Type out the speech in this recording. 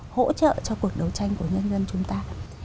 hỗ trợ cho cuộc đấu tranh của nhân dân chúng ta